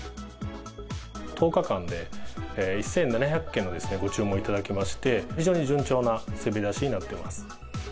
１０日間で１７００件のご注文をいただきまして、非常に順調な滑り出しになってます。